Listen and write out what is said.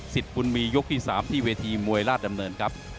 สิทธิ์กุลมียกที่๓ที่เวทีมวยราชดำเนิน